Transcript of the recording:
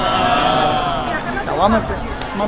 ผมอาจจะไม่ให้เชื่ออะไรพี่เชื่อ